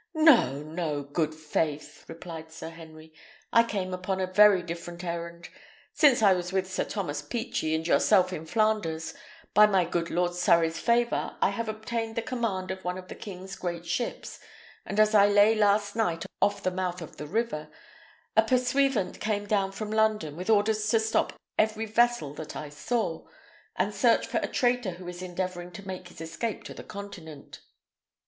"No, no, good faith!" replied Sir Henry; "I came upon a very different errand. Since I was with Sir Thomas Peechy and yourself in Flanders, by my good Lord Surrey's favour I have obtained the command of one of the king's great ships, and as I lay last night off the mouth of the river, a pursuivant came down from London, with orders to stop every vessel that I saw, and search for a traitor who is endeavouring to make his escape to the Continent."